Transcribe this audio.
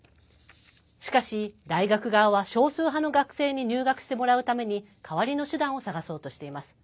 しかし大学側は、少数派の学生に入学してもらうために代わりの手段を探そうとしています。